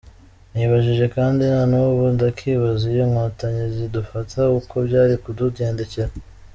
Nibajije kandi na n’ubu ndakibaza iyo Inkotanyi zidufata uko byari kutugendekera……